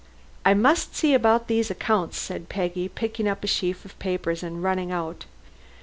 "I must see about these accounts," said Peggy, picking up a sheaf of papers and running out.